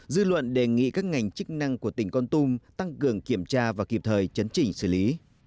dư luận đề nghị các ngành chức năng của tỉnh con tum tăng cường kiểm tra và kịp thời chấn chỉnh xử lý